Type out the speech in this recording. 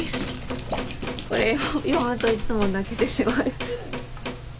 これを読むといつも泣けてしまう。